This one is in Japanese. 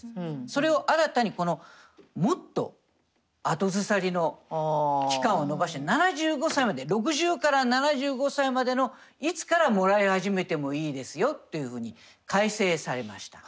それを新たにこのもっと後ずさりの期間を延ばして７５歳まで６０から７５歳までのいつからもらい始めてもいいですよというふうに改正されました。